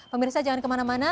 pemirsa jangan kemana mana